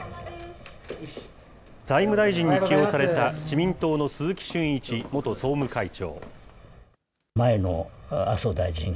財務大臣に起用された自民党の鈴木俊一元総務会長。